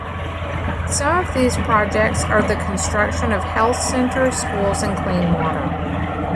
Some of these projects are the construction of health centers, schools and clean water.